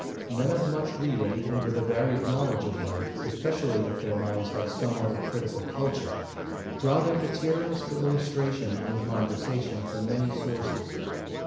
Men of much reading, and with a varied knowledge of life, especially if their minds have somewhat of critical culture, draw their materials for illustration in conversation from many sources.